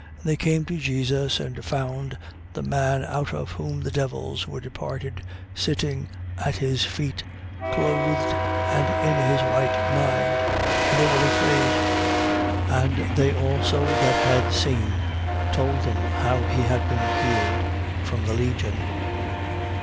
And they came to Jesus and found the man out of whom the devils were departed, sitting at his feet, clothed and in his right mind. And they were afraid. 8:36. And they also that had seen told them how he had been healed from the legion.